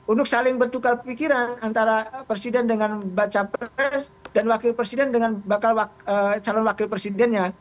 untuk saling bertukar pikiran antara presiden dengan baca pres dan wakil presiden dengan bakal calon wakil presidennya